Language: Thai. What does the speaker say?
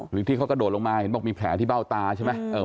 หรือที่เขากระโดดลงมาเห็นบอกมีแผลที่เบ้าตาใช่ไหม